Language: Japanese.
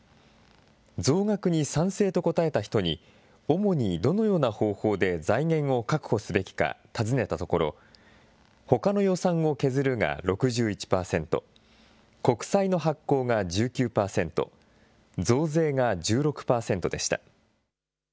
増額に賛成と答えた人に、主にどのような方法で財源を確保すべきか尋ねたところ、ほかの予算を削るが６１％、国債の発行が１９％、増税が１６％でした。